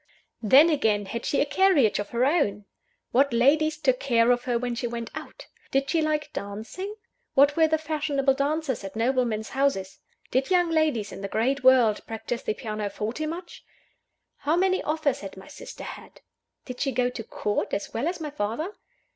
Then, again: Had she a carriage of her own? What ladies took care of her when she went out? Did she like dancing? What were the fashionable dances at noblemen's houses? Did young ladies in the great world practise the pianoforte much? How many offers had my sister had? Did she go to Court, as well as my father?